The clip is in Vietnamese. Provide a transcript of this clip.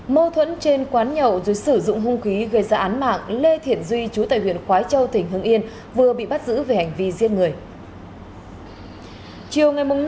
mâu thuẫn trên quán nhậu dưới sử dụng hung khí gây ra án mạng lê thiển duy chú tại huyện khói châu tỉnh hưng yên vừa bị bắt giữ về hành vi giết người